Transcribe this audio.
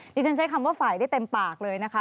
ฉันใช้คำว่าฝ่ายได้เต็มปากเลยนะคะ